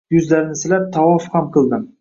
Yuzlarini silab, tavof ham qildim